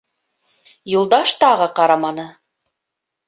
Юлдаш тағы ҡараманы.